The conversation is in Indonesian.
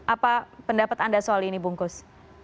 apa pendapat anda soal ini bungkus